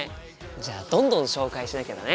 じゃあどんどん紹介しなきゃだね。